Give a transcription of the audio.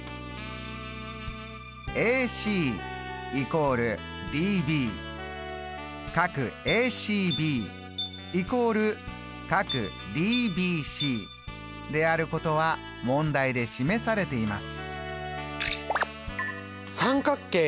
ＡＣ＝ＤＢＡＣＢ＝ＤＢＣであることは問題で示されています。